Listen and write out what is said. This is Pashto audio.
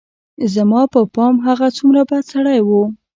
زما په پام هغه څومره بد سړى و.